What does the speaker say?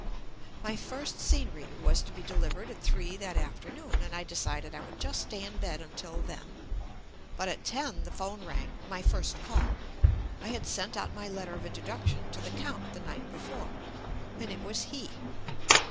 My first "scenery" was to be delivered at three that afternoon, and I decided I would just stay in bed until then; but at ten the phone JUST ME rang — my first call — I had sent out my let ter of introduction to the Count the night be fore, and it was he.